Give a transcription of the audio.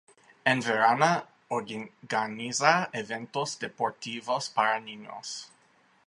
En verano organiza eventos deportivos para niños.